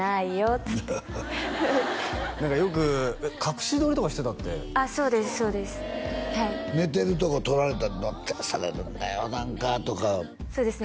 っつって何かよく隠し撮りとかしてたってあっそうですそうですはい「寝てるとこ撮られたりされるんだよ何か」とかそうですね